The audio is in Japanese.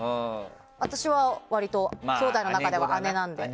私は割ときょうだいの中では姉なので。